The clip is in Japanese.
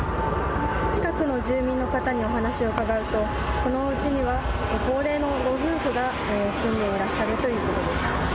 近くの住民の方にお話を伺うと、このうちには高齢のご夫婦が住んでいらっしゃるということです。